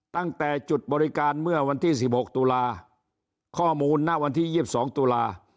ตั้งแต่จุดบริการเมื่อวันที่๑๖ตุลาข้อมูลณวันที่๒๒ตุลา